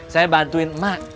saya bantuin mak